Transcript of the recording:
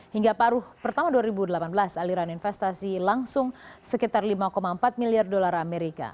hingga paruh pertama dua ribu delapan belas aliran investasi langsung sekitar lima empat miliar dolar amerika